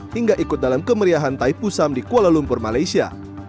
hingga ikut dalam kemeriahan taipusam di kuala lumpur malaysia